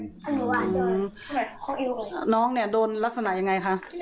หนูว่าโดนน้องเนี่ยโดนลักษณะยังไงคะ